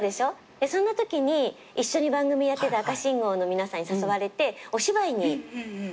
そんなときに一緒に番組やってた赤信号の皆さんに誘われてお芝居に出たのね。